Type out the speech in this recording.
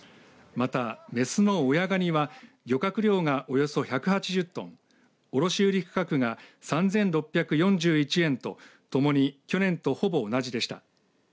また、雌の親がには漁獲量が、およそ１８０トン卸売価格が３６４１円とともに去年とほぼ同じでした。